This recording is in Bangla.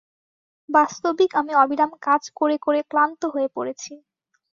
বাস্তবিক আমি অবিরাম কাজ করে করে ক্লান্ত হয়ে পড়েছি।